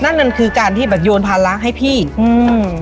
นั่นมันคือการที่แบบโยนภาระให้พี่อืม